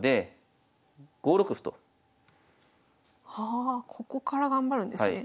あここから頑張るんですね。